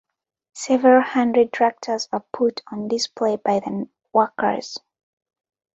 Several hundred tractors are put on display by the workers.